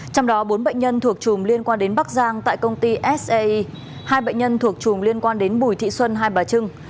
trong đó bốn bệnh nhân thuộc chùm liên quan đến bắc giang tại công ty sei hai bệnh nhân thuộc chùm liên quan đến bùi thị xuân hai bà trưng